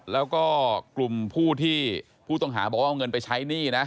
แล้วก็กลุ่มผู้ที่ผู้ต้องหาบอกว่าเอาเงินไปใช้หนี้นะ